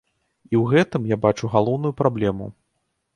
І ў гэтым я бачу галоўную праблему.